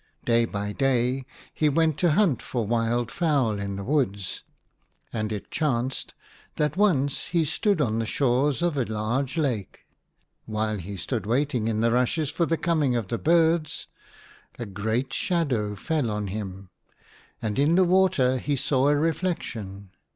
Day by day he went to hunt for wild fowl in the woods ; and it chanced • that once he stood on the shores of a large lake. While he stood waiting in the rushes for the coming of the birds, a great shadow fell on him, and in the water he saw a reflection.